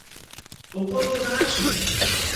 Com podeu demanar cita?